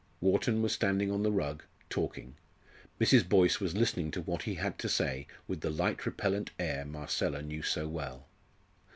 Wharton was standing on the rug, talking; Mrs. Boyce was listening to what he had to say with the light repellent air Marcella knew so well.